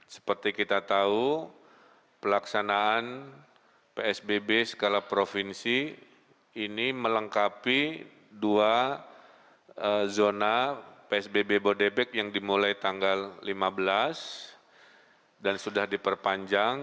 seperti kita tahu pelaksanaan psbb skala provinsi ini melengkapi dua zona psbb bodebek yang dimulai tanggal lima belas dan sudah diperpanjang